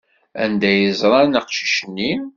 Anda ay ẓran aqcic-nni?